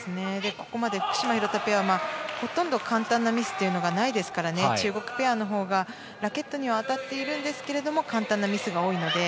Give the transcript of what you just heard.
ここまで、福島、廣田ペアはほとんど簡単なミスがないので中国ペアのほうがラケットには当たってるんですが簡単なミスが多いので。